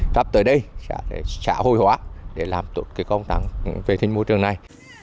tắp tới đây sẽ hồi hóa để làm tốt công tác về thiên môi trường này